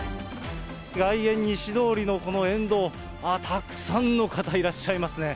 外苑西通りの沿道、たくさんの方いらっしゃいますね。